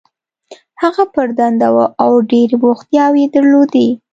هغه پر دنده وه او ډېرې بوختیاوې یې درلودې.